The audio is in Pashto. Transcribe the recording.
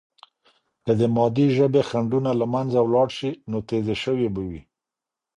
که د مادی ژبې خنډونه له منځه ولاړ سي، نو تیزي سوې به وي.